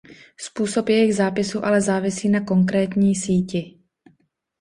Způsob jejich zápisu ale závisí na konkrétní síti.